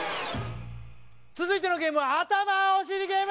続いてのゲームはあたまおしりゲーム！